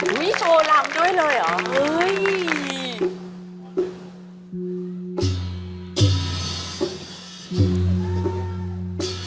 โอ๊ยโชว์รำด้วยเลยเหรอ